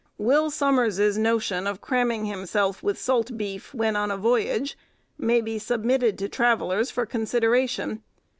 Will Somers's notion of cramming himself with salt beef, when on a voyage, may be submitted to travellers for consideration.